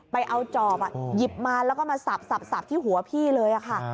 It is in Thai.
ไปเอาจอบหยิบมาแล้วก็มาสับที่หัวพี่เลยค่ะ